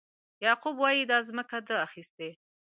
یعقوب وایي دا ځمکه ده اخیستې.